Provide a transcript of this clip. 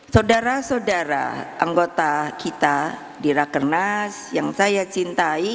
saudara saudara anggota kita di rakernas yang saya cintai